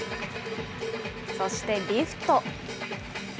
そしてリフト。